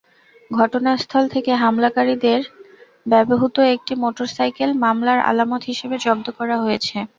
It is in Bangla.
ঘটনাস্থল থেকে হামলাকারীদের ব্যবহূত একটি মোটরসাইকেল মামলার আলামত হিসেবে জব্দ করা হয়েছে।